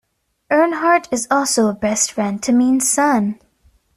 Earnhardt is also a best friend to Means' son.